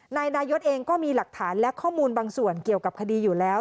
นายนายศเองก็มีหลักฐานและข้อมูลบางส่วนเกี่ยวกับคดีอยู่แล้ว